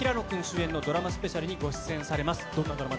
えんのドラマスペシャルにご出演されます。